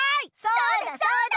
そうだそうだ！